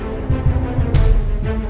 tidak ada lain kali